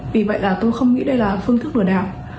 vì vậy là tôi không nghĩ đây là phương thức lừa đảo